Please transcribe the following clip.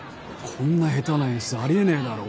こんな下手な演出あり得ねえだろ。